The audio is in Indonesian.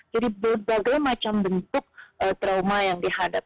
jadi berbagai macam bentuk trauma yang dihadapkan